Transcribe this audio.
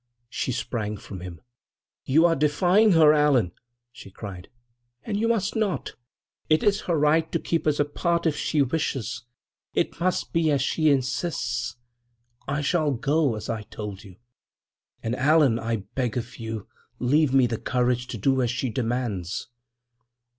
She sprang from him. "You are defying her, Allan!" she cried. "And you must not. It is her right to keep us apart, if she wishes. It must be as she insists. I shall go, as I told you. And, Allan, I beg of you, leave me the courage to do as she demands!"